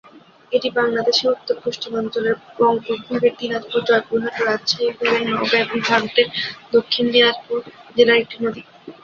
এটি বাংলাদেশের উত্তর-পশ্চিমাঞ্চলের রংপুর বিভাগের দিনাজপুর, জয়পুরহাট ও রাজশাহী বিভাগের নওগাঁ এবং ভারতের দক্ষিণ দিনাজপুর জেলার একটি নদী।